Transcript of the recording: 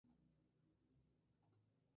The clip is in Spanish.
Ha sido reelegido en cada elección posterior.